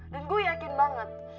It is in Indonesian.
dan gue yakin banget